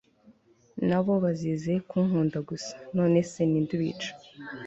nabo bazize kunkunda gusa! nonese ninde ubica